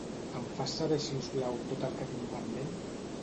Em fas saber si us plau tot el que tinc pendent?